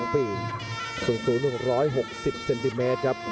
ทุกคนค่ะ